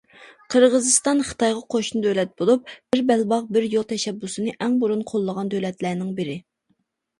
قىرغىزىستان خىتايغا قوشنا دۆلەت بولۇپ، بىر بەلباغ بىر يول تەشەببۇسىنى ئەڭ بۇرۇن قوللىغان دۆلەتلەرنىڭ بىرى.